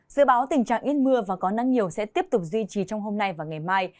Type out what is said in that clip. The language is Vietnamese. dự báo tình trạng ít mưa và có nắng nhiều sẽ tiếp tục duy trì trong hôm nay và ngày mai